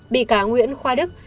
bị cá nguyễn khoa đức